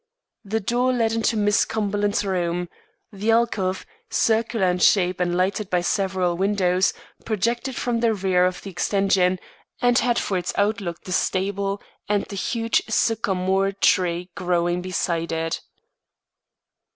The door led into Miss Cumberland's room; the alcove, circular in shape and lighted by several windows, projected from the rear of the extension, and had for its outlook the stable and the huge sycamore tree growing beside it.